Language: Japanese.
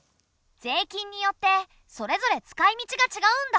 税金によってそれぞれ使いみちがちがうんだ。